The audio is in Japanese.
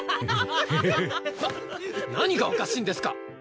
なっ何がおかしいんですか！